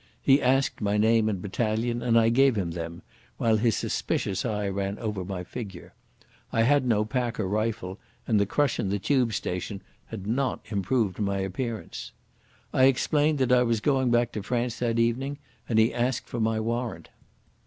He asked my name and battalion, and I gave him them, while his suspicious eye ran over my figure. I had no pack or rifle, and the crush in the Tube station had not improved my appearance. I explained that I was going back to France that evening, and he asked for my warrant.